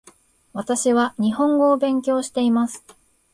私は日本語を勉強しています